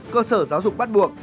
cơ sở giáo dục bắt buộc